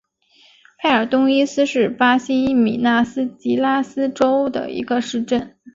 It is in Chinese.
佩尔东伊斯是巴西米纳斯吉拉斯州的一个市镇。